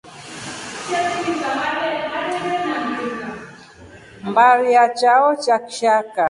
Mbari ya chao cha kshaka.